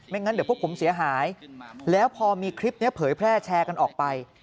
งั้นเดี๋ยวพวกผมเสียหายแล้วพอมีคลิปนี้เผยแพร่แชร์กันออกไป